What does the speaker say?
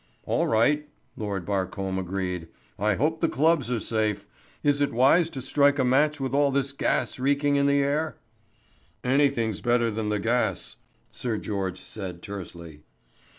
"All right," Lord Barcombe agreed, "I hope the clubs are safe. Is it wise to strike a match with all this gas reeking in the air?" "Anything's better than the gas," Sir George said tersely.